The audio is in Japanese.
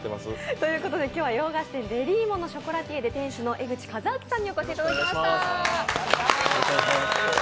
今日は洋菓子店デリーモのショコラティエで店主の江口和明さんにお越しいただきました。